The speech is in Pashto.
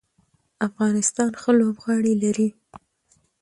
افغانستان ښه لوبغاړي لري.